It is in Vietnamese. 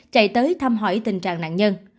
chạy tới thăm hỏi tình trạng nạn nhân